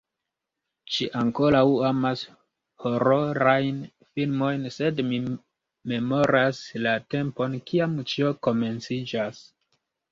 Ŝi ankoraŭ amas hororajn filmojn sed mi memoras la tempon, kiam ĉio komenciĝas